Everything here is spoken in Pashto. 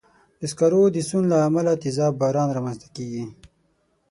د سکرو د سون له امله تېزاب باران رامنځته کېږي.